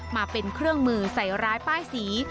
มาเป็นเครื่องมือใส่ร้ายป้ายสี